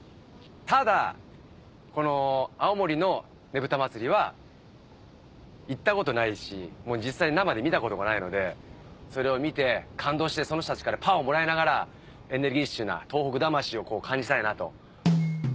ただこの青森のねぶた祭は行ったことないし実際生で見たことがないのでそれを見て感動してその人たちからパワーをもらいながらエネルギッシュな東北魂を感じたいなと。